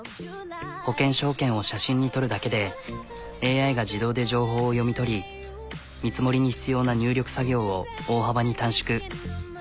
保険証券を写真に撮るだけでＡＩが自動で情報を読み取り見積もりに必要な入力作業を大幅に短縮。